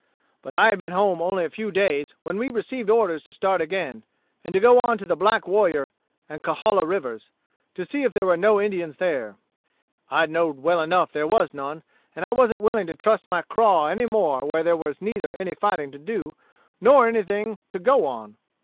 "But I had been home only a few days, when we received orders to start again, and go on to the Black Warrior and Cahaula rivers, to see if there were no Indians there. I know'd well enough there was none, and I wasn't willing to trust my craw any more where there was neither any fighting to do, nor anything to go on.